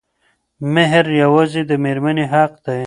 مهر يوازې د مېرمنې حق دی.